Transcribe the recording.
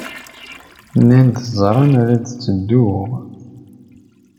Nnan-d ẓran la d-ttedduɣ.